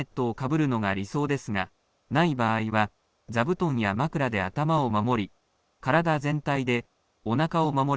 机がなければ、ヘルメットをかぶるのが理想ですがない場合は座布団や枕で頭を守り体全体でおなかを守りましょう。